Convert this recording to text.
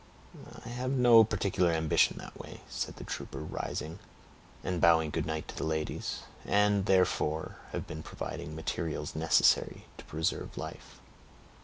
"I have no particular ambition that way," said the trooper, rising, and bowing good night to the ladies, "and, therefore, have been providing materials necessary to preserve life."